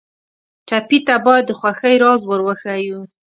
ټپي ته باید د خوښۍ راز ور وښیو.